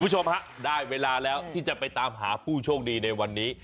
คุณผู้ชมฮะได้เวลาแล้วที่จะไปตามหาผู้โชคดีในวันนี้